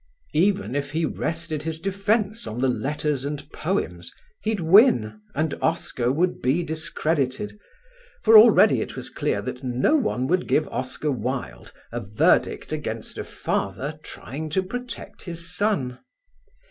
Even if he rested his defence on the letters and poems he'd win and Oscar would be discredited, for already it was clear that no jury would give Oscar Wilde a verdict against a father trying to protect his son.